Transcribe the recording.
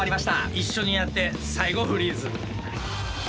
一緒にやって最後フリーズ。